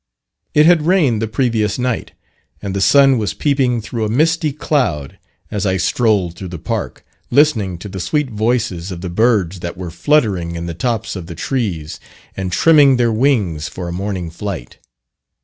It had rained the previous night, and the sun was peeping through a misty cloud as I strolled through the park, listening to the sweet voices of the birds that were fluttering in the tops of the trees, and trimming their wings for a morning flight.